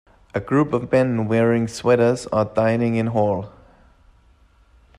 A group of men wearing sweaters are dining in hall.